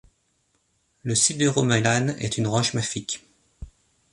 Le sideromelane est une roche mafique.